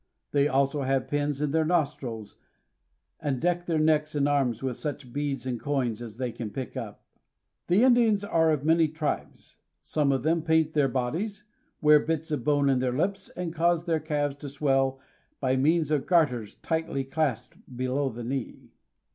They also have pins in their nostrils, and deck their necks and arms with such beads and coins as they can pick up. The Indians are of many tribes. Some of them paint their bodies, wear bits of bone in their lips, and cause their calves to swell by means of garters tightly clasped below the knee.